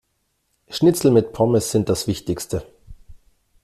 Schnitzel mit Pommes sind das Wichtigste.